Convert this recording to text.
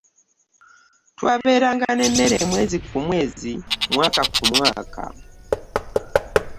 Twaberanga ne mmere mwezi ku mwezi, mwaka ku mwaka.